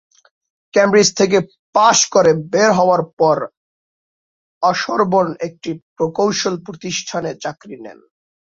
Cambridge থেকে পাশ করে বের হবার পর অসবর্ন একটি প্রকৌশল প্রতিষ্ঠানে চাকরি নেন।